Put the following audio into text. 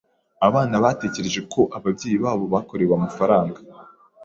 Abana batekereje ko ababyeyi babo babakorewe amafaranga.